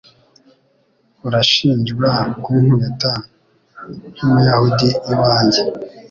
Urashinjwa Kunkubita nk'umuyahudi iwanjye